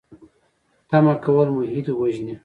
تمه کول مو هیلې وژني